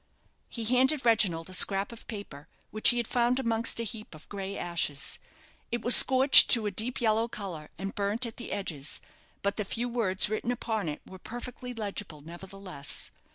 He handed Reginald a scrap of paper, which he had found amongst a heap of grey ashes. It was scorched to a deep yellow colour, and burnt at the edges; but the few words written upon it were perfectly legible, nevertheless.